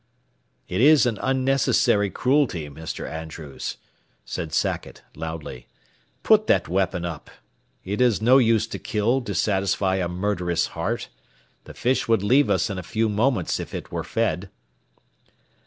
"It is an unnecessary cruelty, Mr. Andrews," said Sackett, loudly. "Put that weapon up. It is no use to kill to satisfy a murderous heart. The fish would leave us in a few moments if it were fed."